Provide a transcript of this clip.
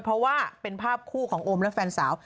เพราะว่าเป็นภาพคู่ของโอมและแฟนสาว